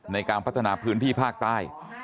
ในการพัฒนาพื้นที่ภาคใต้